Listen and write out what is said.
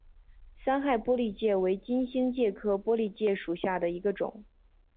三害玻璃介为金星介科玻璃介属下的一个种。